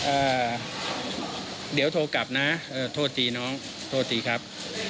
เอ่อเดี๋ยวโทรกลับนะเอ่อโทษตีน้องโทษตีครับ